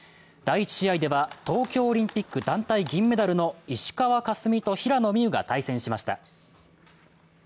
第１試合では東京オリンピック団体銀メダルの石川佳純と平野美宇が対戦しました。